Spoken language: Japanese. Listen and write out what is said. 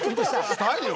したいの？